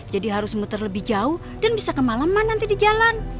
jadi harus muter lebih jauh dan bisa kemalaman nanti di jalan